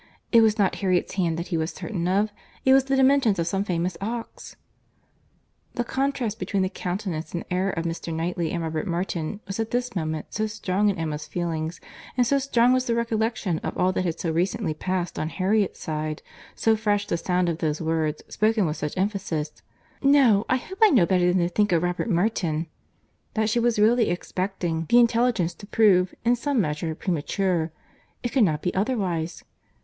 —It was not Harriet's hand that he was certain of—it was the dimensions of some famous ox." The contrast between the countenance and air of Mr. Knightley and Robert Martin was, at this moment, so strong to Emma's feelings, and so strong was the recollection of all that had so recently passed on Harriet's side, so fresh the sound of those words, spoken with such emphasis, "No, I hope I know better than to think of Robert Martin," that she was really expecting the intelligence to prove, in some measure, premature. It could not be otherwise.